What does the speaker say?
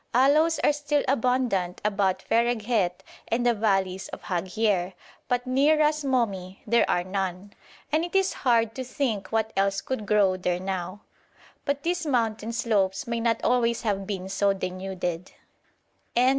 Aloes are still abundant about Fereghet and the valleys of Haghier, but near Ras Momi there are none, and it is hard to think what else could grow there now; but these mountain slopes may not always have been so denuded.